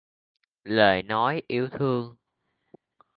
Lời nói yêu thương